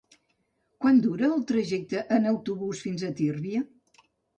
Quant dura el trajecte en autobús fins a Tírvia?